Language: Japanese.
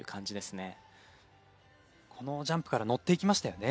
このジャンプから乗っていきましたよね。